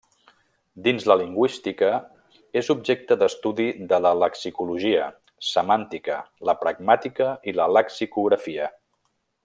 Dins la lingüística, és objecte d'estudi de la lexicologia, semàntica, la pragmàtica i la lexicografia.